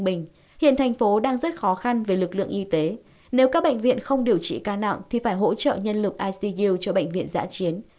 bệnh viện đang rất khó khăn về lực lượng y tế nếu các bệnh viện không điều trị ca nặng thì phải hỗ trợ nhân lực icu cho bệnh viện giã chiến